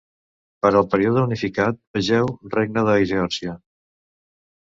Per al període unificat vegeu regne de Geòrgia.